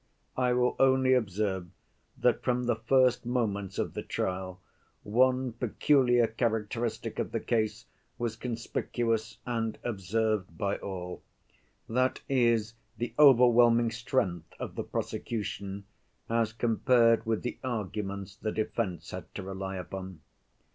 I will only observe that from the first moments of the trial one peculiar characteristic of the case was conspicuous and observed by all, that is, the overwhelming strength of the prosecution as compared with the arguments the defense had to rely upon.